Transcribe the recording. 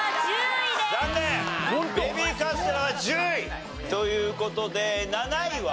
ベビーカステラは１０位。という事で７位は？